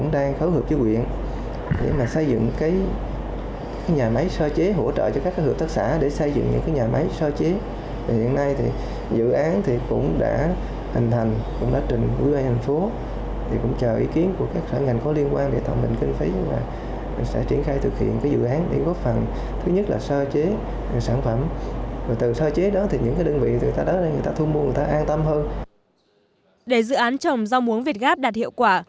để dự án trồng rau muống việt gáp đạt hiệu quả